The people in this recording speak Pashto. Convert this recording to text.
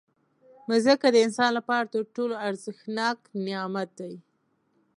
مځکه د انسان لپاره تر ټولو ارزښتناک نعمت دی.